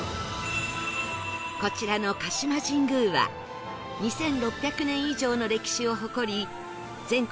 こちらの鹿島神宮は２６００年以上の歴史を誇り全国